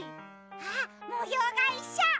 あっもようがいっしょ！